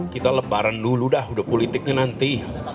kita lebaran dulu dah udah politiknya nanti